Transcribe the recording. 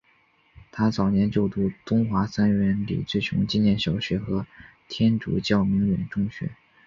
他早年就读东华三院李志雄纪念小学和天主教鸣远中学。